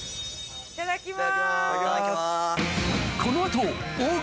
いただきます。